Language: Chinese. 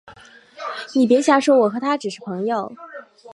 你别瞎说，我和他只是朋友